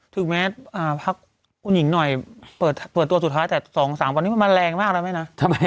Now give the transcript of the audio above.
ถึงแม้พักคุณหญิงหน่อยเปิดตัวสุดท้ายแต่๒๓วันนี้มันแรงมากนะแม่นะ